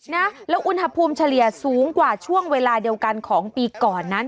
นะแล้วอุณหภูมิเฉลี่ยสูงกว่าช่วงเวลาเดียวกันของปีก่อนนั้น